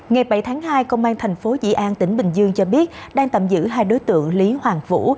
ngày bảy tháng hai công an tp vĩ an tỉnh bình dương cho biết đang tạm giữ hai đối tượng lý hoàng vũ